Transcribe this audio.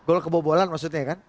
goal kebobolan maksudnya kan